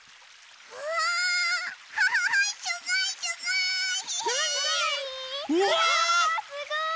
うわすごい！